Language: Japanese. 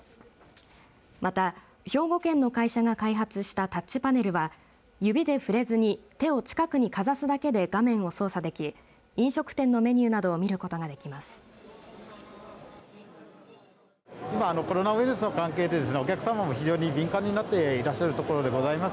また兵庫県の会社が開発したタッチパネルは指で触れずに手を近くにかざすだけで画面を操作でき飲食店のメニューなどを見ることができます。